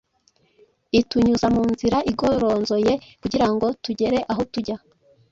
itunyuza mu nzira igoronzoye kugira ngo tugere aho tujya.